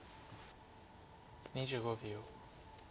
２５秒。